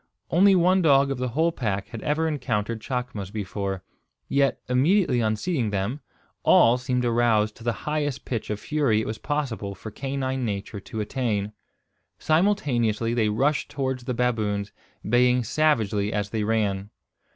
Only one dog of the whole pack had ever encountered chacmas before; yet, immediately on seeing them, all seemed aroused to the highest pitch of fury it was possible for canine nature to attain. Simultaneously they rushed towards the baboons, baying savagely as they ran.